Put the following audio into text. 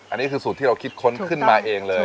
อันนี้คือสูตรที่เราคิดค้นขึ้นมาเองเลย